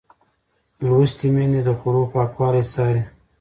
لوستې میندې د خوړو پاکوالی څاري.